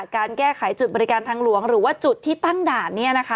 การแก้ไขจุดบริการทางหลวงหรือว่าจุดที่ตั้งด่าน